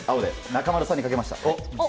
中丸さんにかけました。